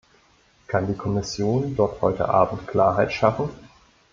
Kann die Kommission dort heute Abend Klarheit schaffen?